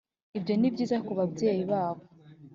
Ibyo ni byiza ku babyeyi babo